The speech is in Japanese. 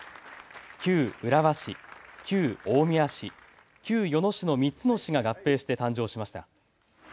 旧浦和市、旧大宮市、旧与野市の３つの市が合併して誕生しました。